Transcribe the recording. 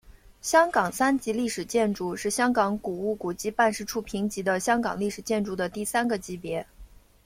香港三级历史建筑是香港古物古迹办事处评级的香港历史建筑的第三个级别。